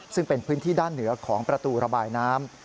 ซึ่งเป็นพื้นที่ด้านเหนือของประตูระบายน้ำ